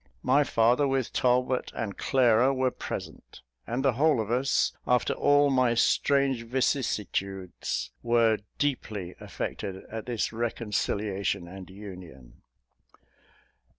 My father, with Talbot and Clara, were present; and the whole of us, after all my strange vicissitudes, were deeply affected at this reconciliation and union.